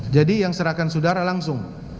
jadi yang diserahkan sudara langsung